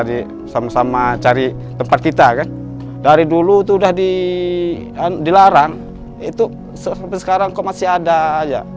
di sama sama cari tempat kita kan dari dulu sudah diandai larang itu sampai sekarang kau masih ada